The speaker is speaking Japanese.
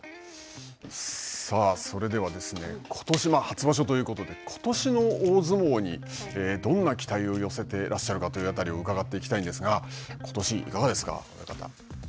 さあ、それでは、ことし初場所ということで、ことしの大相撲にどんな期待を寄せてらっしゃるかという辺りを伺っていきたいんですが、ことし、いかがですか、親方。